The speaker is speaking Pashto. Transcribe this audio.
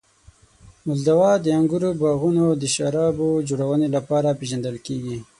مولدوا د انګورو باغونو او شرابو جوړونې لپاره پېژندل کیږي.